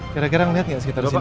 kira kira ngeliat gak sekitar disini